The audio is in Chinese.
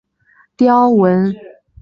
雕纹鱿鱼是一属已灭绝的头足类。